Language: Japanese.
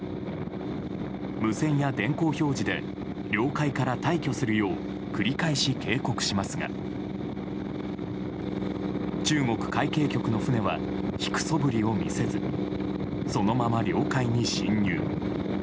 無線や電光表示で領海から退去するよう繰り返し警告しますが中国海警局の船は引くそぶりを見せずそのまま領海に侵入。